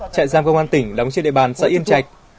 trại giam công an tỉnh đóng trên địa bàn xã yên trạch